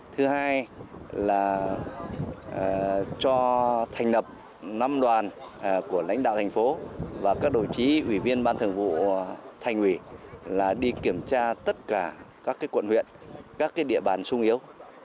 thứ hai là cho thành lập năm đoàn của lãnh đạo thành phố và các đồng chí ủy viên ban thường vụ thành ủy là đi kiểm tra tất cả các quận huyện các địa bàn sung yếu